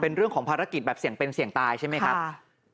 เป็นเรื่องของภารกิจแบบเสี่ยงเป็นเสี่ยงตายใช่ไหมครับ